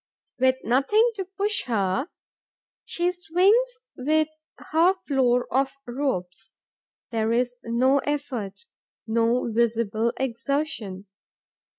With nothing to push her, she swings with her floor of ropes. There is no effort, no visible exertion.